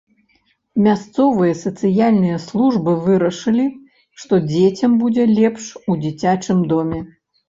Мясцовыя сацыяльныя службы вырашылі, што дзецям будзе лепш у дзіцячым доме.